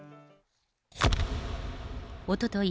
おととい